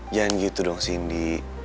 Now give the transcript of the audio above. jangan gitu dong sindi